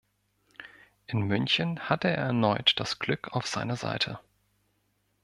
In München hatte er erneut das Glück auf seiner Seite.